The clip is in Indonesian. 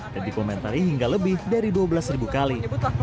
dan dipomentari hingga lebih dari dua belas ribu kali